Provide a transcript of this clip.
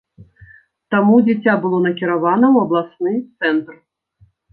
Таму дзіця было накіравана ў абласны цэнтр.